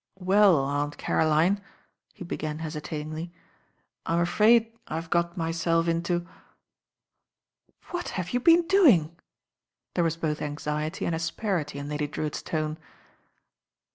"Well, Aunt Caroline," he began hesitatingly, "I'm afraid I've got myself into " "What have you been doing?" There was both anxiety and asperity in Lady Drewitt's tone.